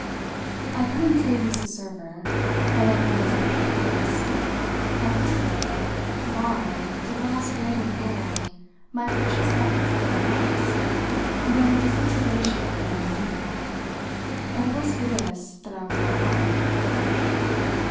I couldn't save Mrs. Server, and I couldn't save poor Briss; I could, however, guard, to the last grain of gold, my precious sense of their loss, their disintegration and their doom; and it was for this I was now bargaining.